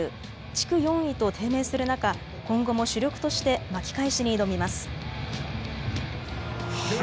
地区４位と低迷する中、今後も主力として巻き返しに挑みます。